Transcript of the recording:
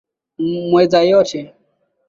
Mweza yote.